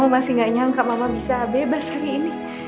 masih gak nyangka mama bisa bebas hari ini